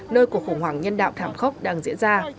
nơi cuộc khủng hoảng nhân đạo thảm khốc đang diễn ra